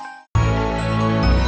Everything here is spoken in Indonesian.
mereka sudah berjalan